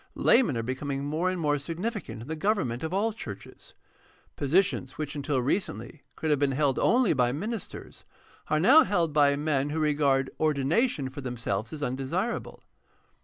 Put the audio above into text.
Laymen are becoming more and more significant in the govern ment of all churches. Positions which until recently could have been held only by ministers are now held by men who regard ordination for themselves as undesirable.